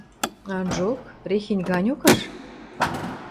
Анжок, рехень ганьокыш.